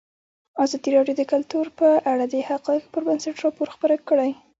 ازادي راډیو د کلتور په اړه د حقایقو پر بنسټ راپور خپور کړی.